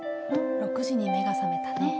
６時に目が覚めたね。